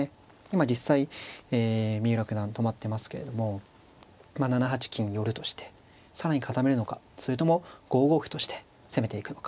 今実際三浦九段止まってますけれども７八金寄として更に固めるのかそれとも５五歩として攻めていくのか。